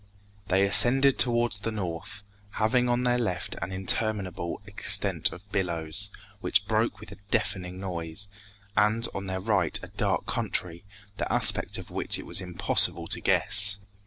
They ascended towards the north, having on their left an interminable extent of billows, which broke with a deafening noise, and on their right a dark country, the aspect of which it was impossible to guess.